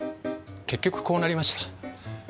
結局こうなりました。